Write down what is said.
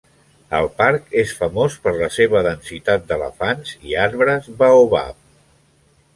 El parc és famós per la seva densitat d'elefants i arbres baobab.